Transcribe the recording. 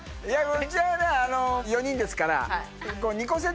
うちは４人ですから。